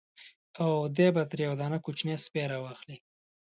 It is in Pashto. او دی به ترې یو دانه کوچنی سپی را واخلي.